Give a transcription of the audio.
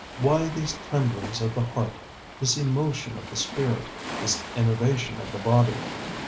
Why these tremblings of the heart, this emotion of the spirit, this enervation of the body?